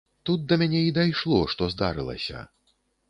Тут да мяне і дайшло, што здарылася.